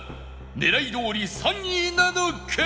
狙いどおり３位なのか？